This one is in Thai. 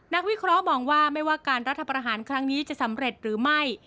วิเคราะห์มองว่าไม่ว่าการรัฐประหารครั้งนี้จะสำเร็จหรือไม่